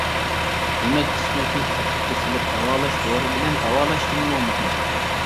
يېمەك-ئىچمەكنى تەرتىپكە سېلىپ داۋالاش دورا بىلەن داۋالاشتىنمۇ مۇھىم.